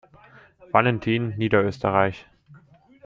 Valentin, Niederösterreich.